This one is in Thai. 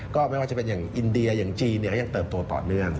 ก็ไม่ว่าจะเป็นอย่างอินเดียอย่างจีนก็ยังเติบโตต่อเนื่อง